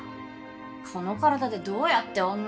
この体でどうやって女と。